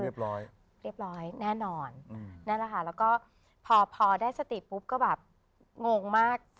เรียบร้อยเรียบร้อยแน่นอนแล้วก็พอได้สติปุ๊บก็แบบงงมาก